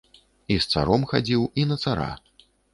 І з царом хадзіў, і на цара.